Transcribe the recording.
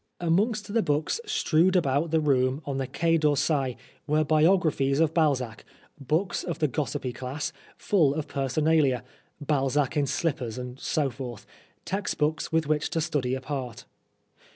Amongst the books strewed about the room on the Quai d'Orsay were biographies of Balzac, books of the gossipy class, full of personalia, " Balzac in Slippers," and so forth text books with which to study a part.